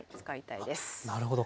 なるほど。